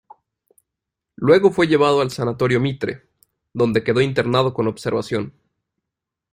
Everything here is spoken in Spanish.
Luego fue llevado al Sanatorio Mitre, donde quedó internado con observación.